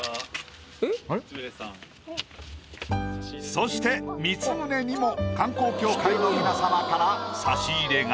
そして光宗にも観光協会の皆様から差し入れが。